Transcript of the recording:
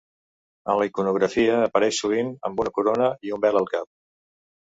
En la iconografia apareix sovint amb una corona i un vel al cap.